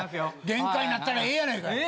限界になったらええやないかい。